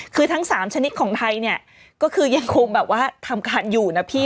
คือทั้ง๓ชนิดของไทยเนี่ยก็คือยังคงแบบว่าทำการอยู่นะพี่